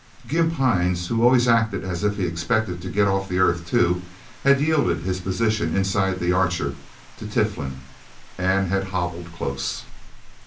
Gimp Hines, who always acted as if he expected to get off the Earth, too, had yielded his position inside the Archer to Tiflin, and had hobbled close.